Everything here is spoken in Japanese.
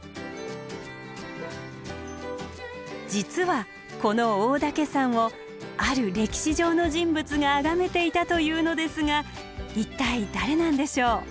実はこの大岳山をある歴史上の人物があがめていたというのですが一体誰なんでしょう？